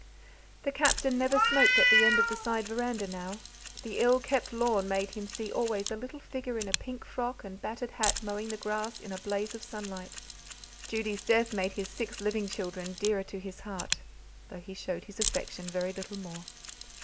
The Captain never smoked at the end of the side veranda now: the ill kept lawn made him see always a little figure in a pink frock and battered hat mowing the grass in a blaze of sunlight. Judy's death made his six living children dearer to his heart, though he showed his affection very little more.